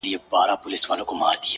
o ټوله شپه خوبونه وي ـ